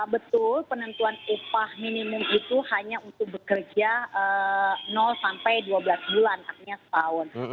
betul penentuan upah minimum itu hanya untuk bekerja sampai dua belas bulan artinya setahun